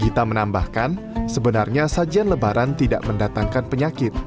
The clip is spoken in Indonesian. gita menambahkan sebenarnya sajian lebaran tidak mendatangkan penyakit